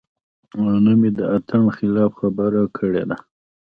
او نۀ مې د اتڼ خلاف خبره کړې ده -